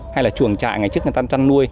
hay là chuồng trại ngày trước người ta nuôi